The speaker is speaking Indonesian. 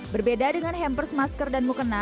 berbeda dengan hampers masker dan mukena